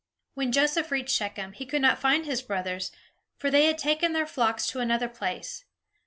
When Joseph reached Shechem, he could not find his brothers, for they had taken their flocks to another place.